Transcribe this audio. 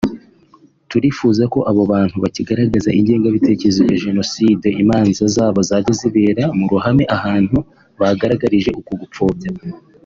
Turifuza ko abo bantu bakigaragaza ingengabitekerezo ya Jenoside imanza zabo zajya zibera mu ruhame ahantu bagaragarije uko gupfobya